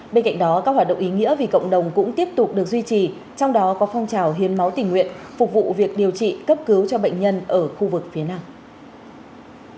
bên cạnh đó các hoạt động ý nghĩa vì cộng đồng cũng tiếp tục được duy trì trong đó có phong trào hiến máu tình nguyện phục vụ việc điều trị cấp cứu cho bệnh nhân ở khu vực phía nam